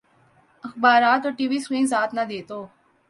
اخبارات اور T V screen ساتھ نہ دے تو